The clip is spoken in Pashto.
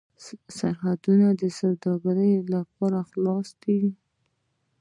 سرحدونه د سوداګرۍ لپاره خلاص دي.